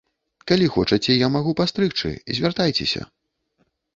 Калі хочаце, я магу пастрыгчы, звяртайцеся!